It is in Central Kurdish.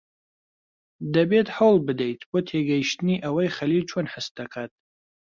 دەبێت هەوڵ بدەیت بۆ تێگەیشتنی ئەوەی خەلیل چۆن هەست دەکات.